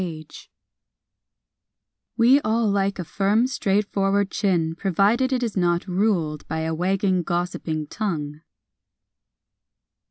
JAW We all like a firm, straightforward chin provided it is not ruled by a wagging, gossiping tongue.